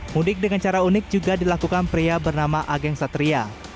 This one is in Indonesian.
mudik dengan cara unik juga dilakukan pria bernama ageng satria